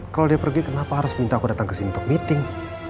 kalau dia pergi kenapa harus minta aku datang ke sini untuk meeting